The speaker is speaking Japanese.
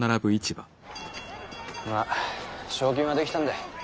まあ正金は出来たんだ。